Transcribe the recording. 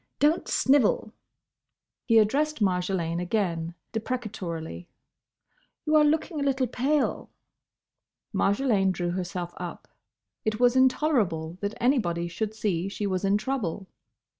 Don't snivel." He addressed Marjolaine again, deprecatorily, "You are looking a little pale." Marjolaine drew herself up. It was intolerable that anybody should see she was in trouble.